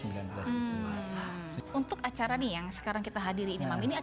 untuk acara yang sekarang kita hadiri ini